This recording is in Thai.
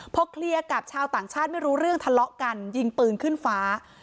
พอเคลียร์กับชาวต่างชาติไม่รู้เรื่องทะเลาะกันยิงปืนขึ้นฟ้า